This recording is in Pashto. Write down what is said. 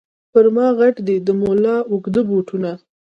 پر ما غټ دي د مُلا اوږده بوټونه